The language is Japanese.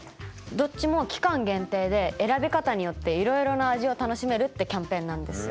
どっちも期間限定で選び方によっていろいろな味を楽しめるってキャンペーンなんです。